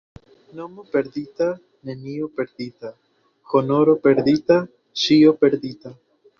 Mono perdita, nenio perdita, — honoro perdita, ĉio perdita.